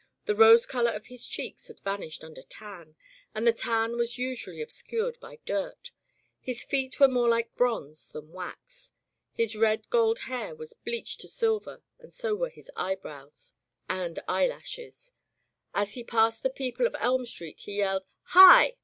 The rose color of his cheeks had van ished under tan, and the tan was usually ob scured by dirt. His feet were more like bronze than wax. His red gold hair was bleached to silver and so were his eyebrows and eyelashes. As he passed the people of Elm Street he yelled "Hi!"